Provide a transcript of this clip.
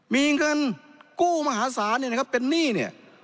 มีเงินกู้มหาศาลเนี่ยนะครับเป็นหนี้เนี่ย